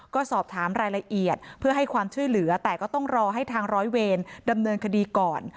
ก็สอบถามรายละเอียดเพื่อให้ความช่วยเหลือแต่ก็ต้องรอให้ทางร้อยเวรดำเนินคดีก่อน